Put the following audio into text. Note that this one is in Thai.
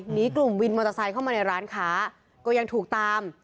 กลุ่มวินมอเตอร์ไซค์เข้ามาในร้านค้าก็ยังถูกตาม